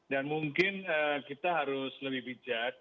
dan mungkin kita harus lebih bijak